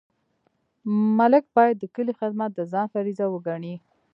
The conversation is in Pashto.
ملک باید د کلي خدمت د ځان فریضه وګڼي.